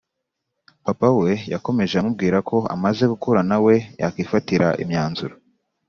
papa we yakomeje amubwira ko amaze gukura nawe yakifatira imyanzuro